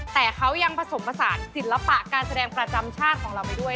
แต่เขายังผสมผสานศิลปะการแสดงประจำชาติของเราไปด้วย